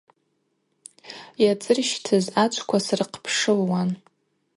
Йацӏырщтыз ачвква сырхъпшылуан.